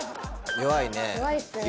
弱いね？